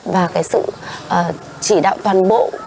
và cái sự chỉ đạo toàn bộ